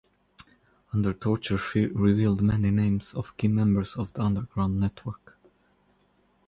Under torture she revealed many names of key members of the underground network.